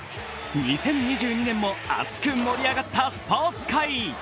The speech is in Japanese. ２０２２年も熱く盛り上がったスポーツ界。